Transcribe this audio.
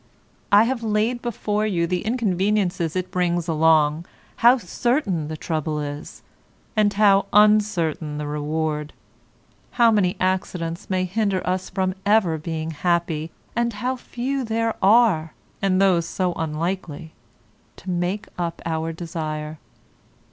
I have laid before you the inconveniences it brings along, how certain the trouble is, and how uncertain the reward; how many accidents may hinder us from ever being happy, and how few there are (and those so unlikely) to make up our desire.